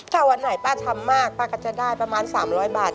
ถ้าวันไหนป้าทำมากป้าก็จะได้ประมาณ๓๐๐บาท